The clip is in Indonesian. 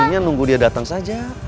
nunggu dia datang saja